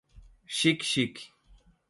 Xique-Xique